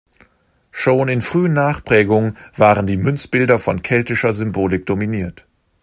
Schon in frühen Nachprägungen waren die Münzbilder von keltischer Symbolik dominiert.